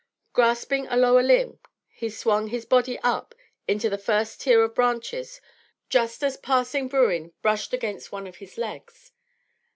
Grasping a lower limb he swung his body up into the first tier of branches just as passing Bruin brushed against one of his legs.